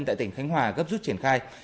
tại tỉnh khánh hòa gấp rút triển khai